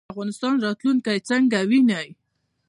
د افغانستان راتلونکی څنګه وینئ؟